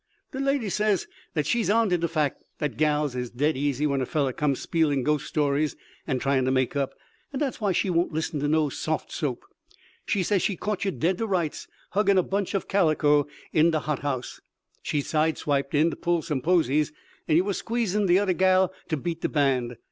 "De lady says dat she's on to de fact dat gals is dead easy when a feller comes spielin' ghost stories and tryin' to make up, and dat's why she won't listen to no soft soap. She says she caught yer dead to rights, huggin' a bunch o' calico in de hot house. She side stepped in to pull some posies and yer was squeezin' de oder gal to beat de band.